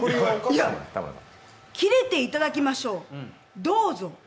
「キレていただきましょう、どうぞ？」